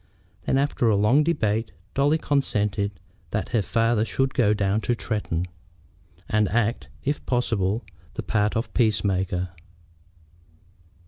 Then, after a long debate, Dolly consented that her father should go down to Tretton, and act, if possible, the part of peace maker.